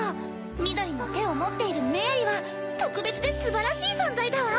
緑の手を持っているメアリは特別ですばらしい存在だわ！